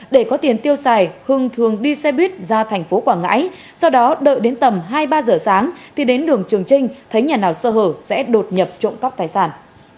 để có tiền tiêu xài hưng thường đi xe buýt ra thành phố quảng ngãi sau đó đợi đến tầm hai ba giờ sáng thì đến đường trường trinh thấy nhà nào sơ hở sẽ đột nhập trộm cắp tài sản